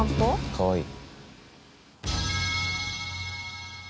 かわいい。